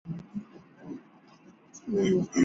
主要产业为服务业。